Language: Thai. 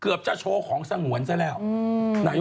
เพราะวันนี้หล่อนแต่งกันได้ยังเป็นสวย